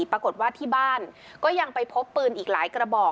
ปรากฏว่าที่บ้านก็ยังไปพบปืนอีกหลายกระบอก